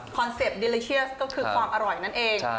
เซ็ปต์ดิเลเชียสก็คือความอร่อยนั่นเอง